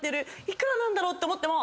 幾らなんだろう？と思っても。